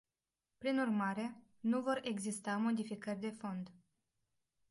Prin urmare, nu vor exista modificări de fond.